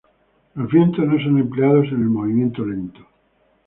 Los vientos no son empleados en el movimiento lento.